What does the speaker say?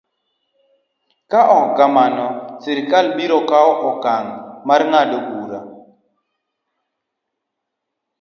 Ka ok kamano, sirkal biro kawo okang' mar ng'ado bura.